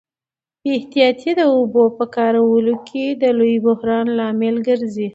بې احتیاطي د اوبو په کارولو کي د لوی بحران لامل ګرځي.